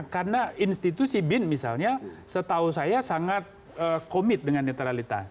karena institusi bin misalnya setahu saya sangat komit dengan netralitas